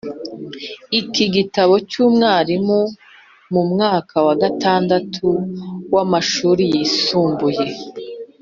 Iki gitabo cy’umwarimu mu mwaka wa gatandatu w’amashuri yisumbuye